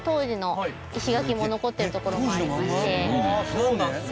ああそうなんですね。